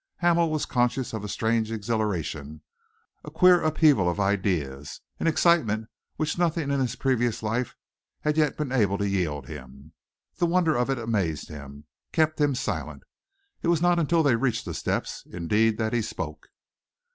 Hamel was conscious of a strange exhilaration, a queer upheaval of ideas, an excitement which nothing in his previous life had yet been able to yield him. The wonder of it amazed him, kept him silent. It was not until they reached the steps, indeed, that he spoke.